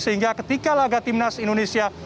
sehingga ketika laga timnas indonesia